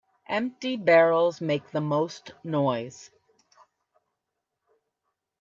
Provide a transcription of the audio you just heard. Empty barrels make the most noise.